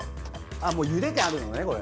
ああもうゆでてあるのねこれ。